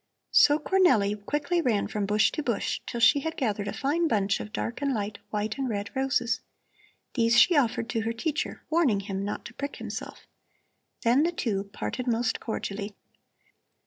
So Cornelli quickly ran from bush to bush till she had gathered a fine bunch of dark and light, white and red roses. These she offered to her teacher, warning him not to prick himself. Then the two parted most cordially.